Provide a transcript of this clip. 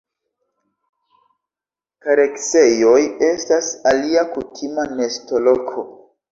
Kareksejoj estas alia kutima nestoloko.